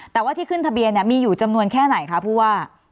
แต่ว่าที่ขึ้นทะเบียนมีอยู่จำนวนแค่ไหนคะผู้ว่า